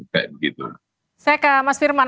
saya ke mas firman